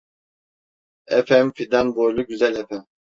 Efem fidan boylu güzel efem.